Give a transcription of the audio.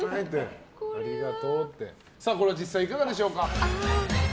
これは実際いかがですか。